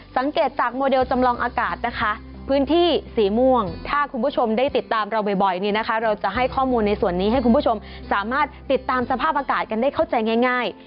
สังเกตจากโมเดลจำลองอากาศนะคะพื้นที่สีม่วงถ้าคุณผู้ชมได้ติดตามเราบ่อยเนี่ยนะคะเราจะให้ข้อมูลในส่วนนี้ให้คุณผู้ชมสามารถติดตามสภาพอากาศกันได้เข้าใจง่าย